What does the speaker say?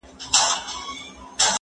زه سبا لپاره پلان جوړ کړی دی!